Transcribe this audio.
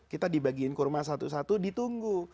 kita dibagiin kurma satu satu ditunggu